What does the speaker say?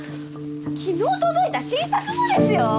昨日届いた新作もですよ！